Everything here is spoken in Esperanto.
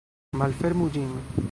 Malfermu ĝin.